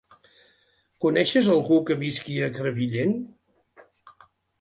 Coneixes algú que visqui a Crevillent?